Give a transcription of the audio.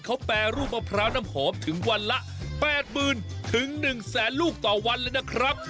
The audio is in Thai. เขาแปรรูปมะพร้าวน้ำหอมถึงวันละ๘๐๐๐๑แสนลูกต่อวันเลยนะครับ